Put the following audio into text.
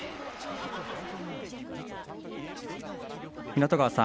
湊川さん